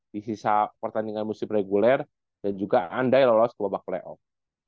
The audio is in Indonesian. di sisa pertandingan musim reguler dan juga andai lolos ke babak playoff